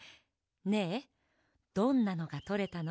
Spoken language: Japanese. ねえどんなのがとれたの？